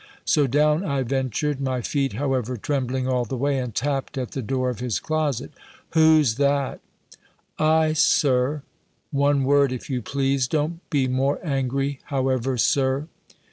So down I ventured, my feet, however, trembling all the way, and tapped at the door of his closet. "Who's that?" "I, Sir: one word, if you please. Don't be more angry, however, Sir."